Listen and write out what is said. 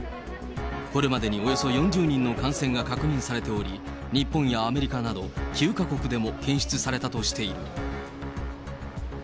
これまでにおよそ４０人の感染が確認されており、日本やアメリカなど、９か国でも検出されたとしている。